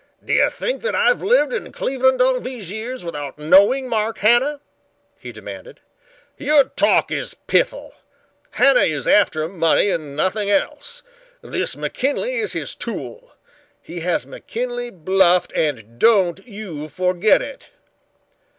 "Do you think that I've lived in Cleveland all these years without knowing Mark Hanna?" he demanded. "Your talk is piffle. Hanna is after money and nothing else. This McKinley is his tool. He has McKinley bluffed and don't you forget it."